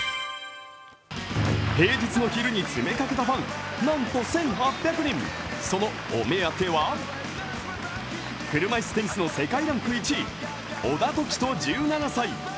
平日の昼に詰めかけたファンなんと１８００人そのお目当ては、車いすテニスの世界ランク１位、小田凱人１７歳。